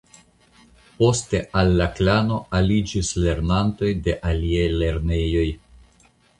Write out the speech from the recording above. Poste al la Klano aliĝis lernantoj de aliaj lernejoj.